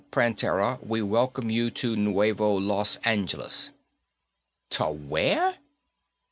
Prantera, we welcome you to Nuevo Los Angeles." "Ta where?"